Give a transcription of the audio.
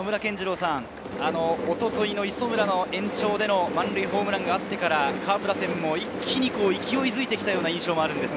おとといの磯村の延長での満塁ホームランがあってから、カープ打線は一気に勢いづいてきた印象があります。